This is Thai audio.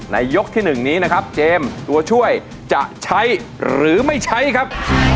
ยกที่๑นี้นะครับเจมส์ตัวช่วยจะใช้หรือไม่ใช้ครับ